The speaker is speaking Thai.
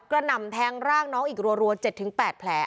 หน่ำแทงร่างน้องอีกรัว๗๘แผล